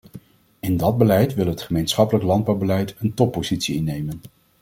In dat beleid wil het gemeenschappelijk landbouwbeleid een toppositie innemen.